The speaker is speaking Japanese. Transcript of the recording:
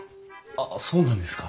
ああそうなんですか。